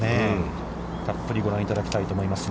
たっぷり、ご覧いただきたいと思います。